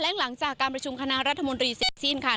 แรงหลังจากการประชุมคณะรัฐมนตรีเซคซีนค่ะ